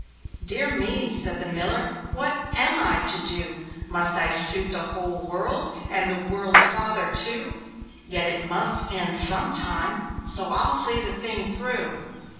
"Dear me!" said the Miller, "what am I to do? Must I suit the whole world and the world's father, too? Yet it must end some time so I'll see the thing through."